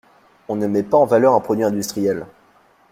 On ne met pas en valeur un produit industriel.